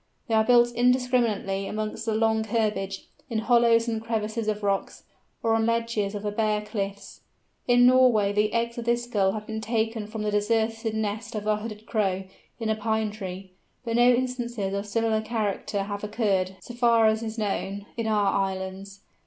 They are built indiscriminately amongst the long herbage, in hollows and crevices of rocks, or on ledges of the bare cliffs. In Norway the eggs of this Gull have been taken from the deserted nest of a Hooded Crow, in a pine tree, but no instances of a similar character have occurred, so far as is known, in our islands.